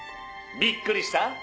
びっくりした？